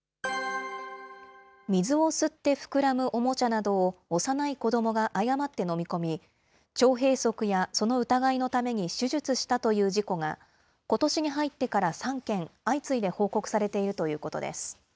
水を吸って膨らむおもちゃなどを幼い子どもが誤って飲み込み、腸閉塞やその疑いのために手術したという事故が、ことしに入ってから３件、相次いで報告されているということです。